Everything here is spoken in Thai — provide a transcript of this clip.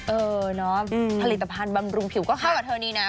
เออเนาะผลิตภัณฑ์บำรุงผิวก็เข้ากับเธอดีนะ